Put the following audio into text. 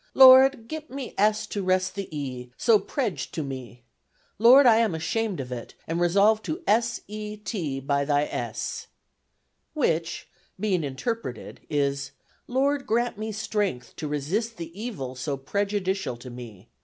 "Lord g't me S to res the e. so prej'd to me. Lord I am ashamed of it and resolve to s. e. T. by thy S." Which being interpreted is: "Lord, grant me Strength to resist the evil so prejudicial to me.